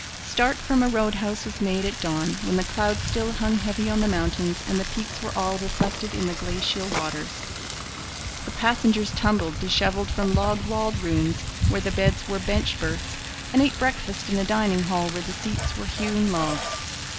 Start from a road house was made at dawn, when the clouds still hung heavy on the mountains and the peaks were all reflected in the glacial waters. The passengers tumbled dishevelled from log walled rooms where the beds were bench berths, and ate breakfast in a dining hall where the seats were hewn logs.